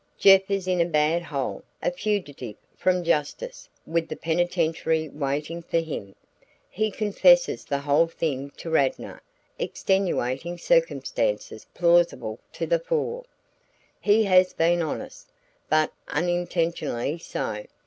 "Jeff is in a bad hole, a fugitive from justice with the penitentiary waiting for him. He confesses the whole thing to Radnor extenuating circumstances plausibly to the fore. He has been dishonest, but unintentionally so.